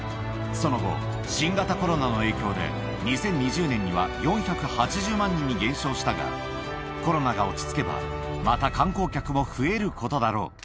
その後、新型コロナの影響で、２０２０年には４８０万人に減少したが、コロナが落ち着けば、まだ観光客も増えることだろう。